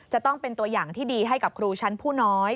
จะต้องเป็นตัวอย่างที่ดีให้กับครูชั้นผู้น้อย